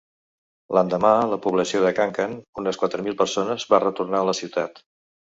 L'endemà la població de Kankan, unes quatre mil persones, va retornar a la ciutat.